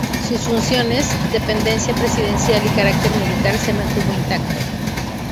Sus funciones, dependencia presidencial y carácter militar se mantuvo intacto.